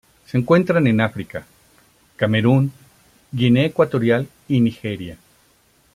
Se encuentran en África: Camerún, Guinea Ecuatorial y Nigeria.